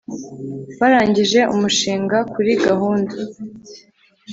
Barangije umushinga kuri gahunda